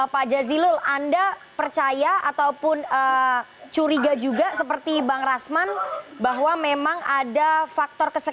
pak jazilul anda percaya ataupun curiga juga seperti bang rasman bahwa memang ada faktor keseluruhan